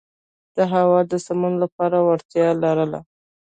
د هوا د سمون لپاره وړتیا یې لرله.